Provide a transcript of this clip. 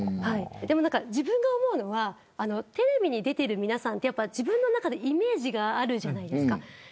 でも自分が思うのはテレビに出ている皆さんは自分の中でイメージがあるじゃないですか。